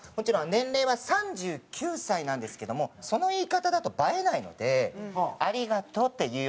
年齢は３９歳なんですけどもその言い方だと映えないので「ありがとう」って言うようにしてます。